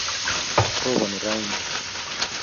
roponi raini